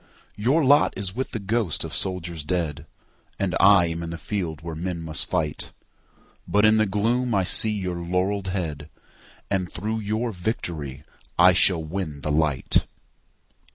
Your lot is with the ghosts of soldiers dead, And I am in the field where men must fight. But in the gloom I see your laurell'd headAnd through your victory I shall win the light.